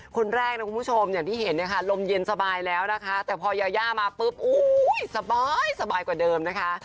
คนแรกนะคุณผู้ชมอย่างที่เห็นเนี่ยค่ะลมเย็นสบายแล้วนะคะแต่พอยาย่ามาปุ๊บสบายกว่าเดิมนะคะ